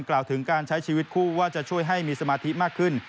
กล่าวถึงการใช้ชีวิตคู่ว่าจะช่วยให้มีสมาธิมากขึ้น